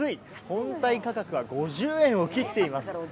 本体価格は５０円を切っています。